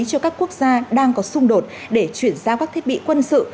cho các quốc gia đang có xung đột để chuyển giao các thiết bị quân sự